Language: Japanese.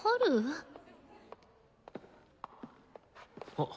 あっ。